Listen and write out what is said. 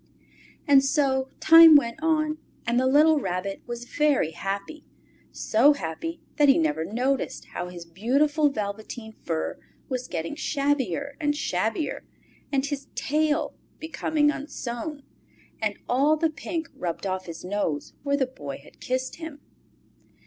And so time went on, and the little Rabbit was very happy so happy that he never noticed how his beautiful velveteen fur was getting shabbier and shabbier, and his tail becoming unsewn, and all the pink rubbed off his nose where the Boy had kissed him.